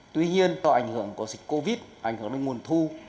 tuy nhiên do ảnh hưởng của dịch covid ảnh hưởng đến nguồn thu